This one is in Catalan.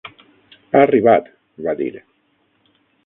"Ha arribat" va dir.